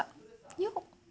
よっ。